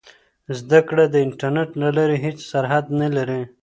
زده کړه د انټرنیټ له لارې هېڅ سرحد نه لري.